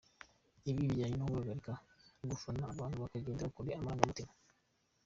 Ibi bijyana no guhagarika gufana abantu bakagendera kure amarangamutima.